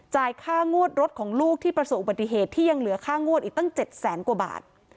ค่างวดรถของลูกที่ประสบอุบัติเหตุที่ยังเหลือค่างวดอีกตั้ง๗แสนกว่าบาท